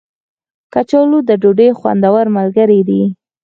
کچالو د ډوډۍ خوندور ملګری دی